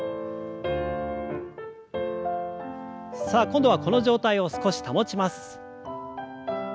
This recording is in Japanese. さあ今度はこの状態を少し保ちます。